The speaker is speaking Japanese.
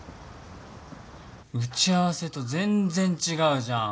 打ち合わせと全然違うじゃん。